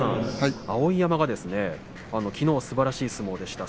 碧山が、きのうはすばらしい相撲でした。